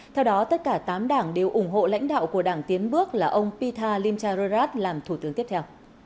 theo đó tất cả tám đảng đều ủng hộ lãnh đạo của đảng tiến bước là ông pita limcharorad làm thủ tướng tiếp theo